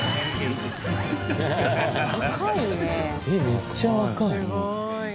めっちゃ若い。